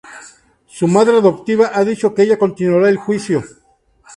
Su madre adoptiva ha dicho que ella continuará el juicio.